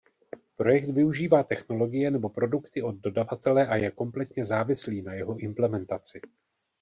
Projekt využívá technologie nebo produkty od dodavatele a je kompletně závislý na jeho implementaci.